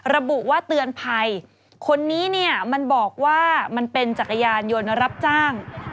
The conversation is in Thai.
ระบุว่าเตือนภัยคนนี้เนี่ยมันบอกว่ามันเป็นจักรยานยนต์รับจ้าง